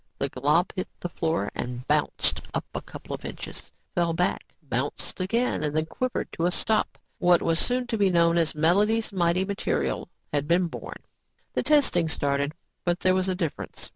The glob hit the floor, bounced up a couple of inches, fell back, bounced again and then quivered to a stop. What was soon to be known as Melody's Mighty Material had been born. The testing started. But there was a difference.